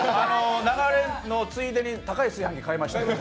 流れのついでに高い炊飯器を買いました。